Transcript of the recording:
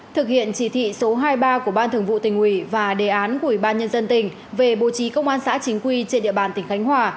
thực hiện chỉ thị số hai mươi ba của ban thường vụ tỉnh ủy và đề án của ủy ban nhân dân tỉnh về bố trí công an xã chính quy trên địa bàn tỉnh khánh hòa